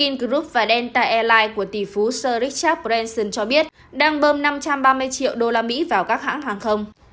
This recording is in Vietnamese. ingroup và delta airlines của tỷ phú sir richard branson cho biết đang bơm năm trăm ba mươi triệu usd vào các hãng hàng không